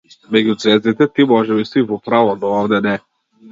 Меѓу ѕвездите ти можеби си во право, но овде не.